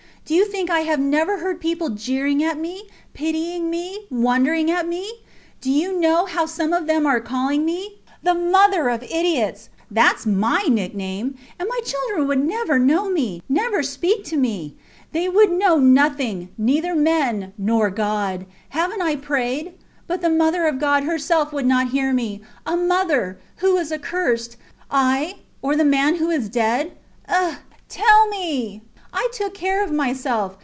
Do you think I have never heard people jeering at me, pitying me, wondering at me? Do you know how some of them were calling me? The mother of idiots that was my nickname! And my children never would know me, never speak to me. They would know nothing; neither men nor God. Havent I prayed! But the Mother of God herself would not hear me. A mother! ... Who is accursed I, or the man who is dead? Eh? Tell me. I took care of myself.